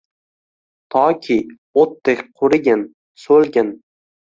Toki o‘tdek qurigin, so‘lgin